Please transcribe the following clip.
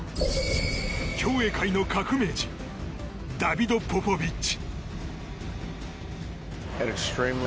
競泳界の革命児ダビド・ポポビッチ。